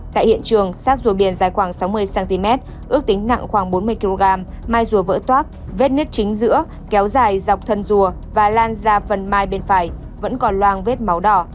tại hiện trường sát rùa biển dài khoảng sáu mươi cm ước tính nặng khoảng bốn mươi kg mai rùa vỡ toác vết nứt chính giữa kéo dài dọc thân rùa và lan ra phần mai bên phải vẫn còn loang vết máu đỏ